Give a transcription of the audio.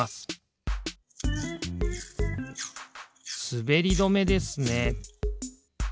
すべりどめですね。